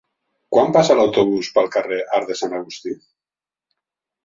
Quan passa l'autobús pel carrer Arc de Sant Agustí?